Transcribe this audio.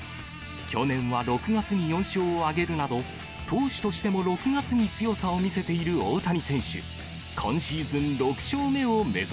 去年は６月に４勝を挙げるなど、投手としても６月に強さを見せている大谷選手。